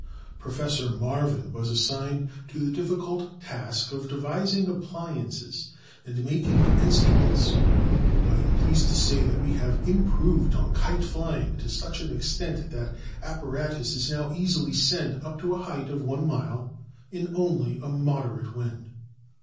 Professor Marvin was assigned to the difficult task of devising appliances and making instruments, and I am pleased to say that we have improved on kite flying to such an extent that apparatus is now easily sent up to a height of one mile in only a moderate wind.